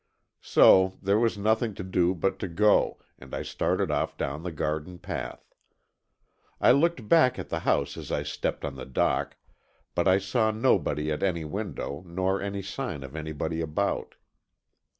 So, there was nothing to do but to go, and I started off down the garden path. I looked back at the house as I stepped on the dock, but I saw nobody at any window, nor any sign of anybody about.